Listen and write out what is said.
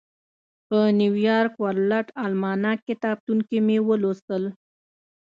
په نیویارک ورلډ الماناک کتابتون کې مې ولوستل.